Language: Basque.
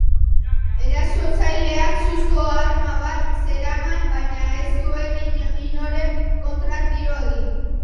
Erasotzaileak suzko arma bat zeraman, baina ez zuen inoren kontra tiro egin.